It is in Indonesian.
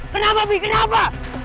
kenapa bu kenapa